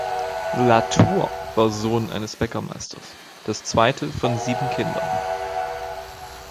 La Tour war Sohn eines Bäckermeisters, das zweite von sieben Kindern.